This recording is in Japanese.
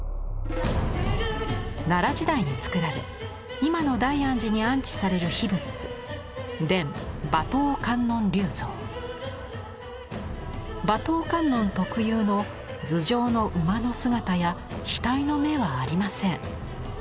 奈良時代に作られ今の大安寺に安置される秘仏馬頭観音特有の頭上の馬の姿や額の目はありません。